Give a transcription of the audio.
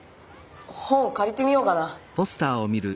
本をかりてみようかな。